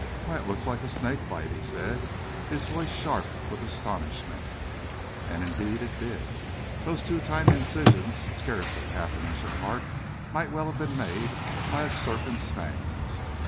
"Why, it looks like a snake bite!" he said, his voice sharp with astonishment. And, indeed, it did. Those two tiny incisions, scarcely half an inch apart, might well have been made by a serpent's fangs.